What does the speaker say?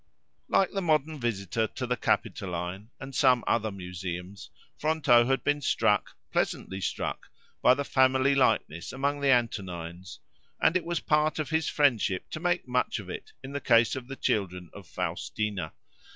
Like the modern visitor to the Capitoline and some other museums, Fronto had been struck, pleasantly struck, by the family likeness among the Antonines; and it was part of his friendship to make much of it, in the case of the children of Faustina.